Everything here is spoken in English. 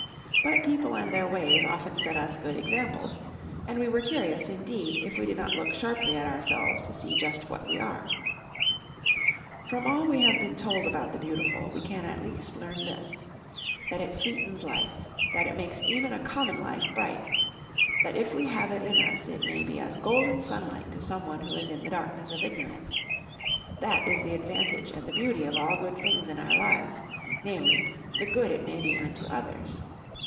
But people and their ways often set us good examples; and we were curious, indeed, if we did not look sharply at ourselves to see just what we are. From all we have been told about the beautiful we can at least learn this: that it sweetens life; that it makes even a common life bright; that if we have it in us it may be as golden sunlight to some poor one who is in the darkness of ignorance, that is the advantage and the beauty of all good things in our lives, namely, the good it may be unto others.